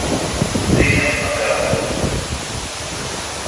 Déixame facer algo bo.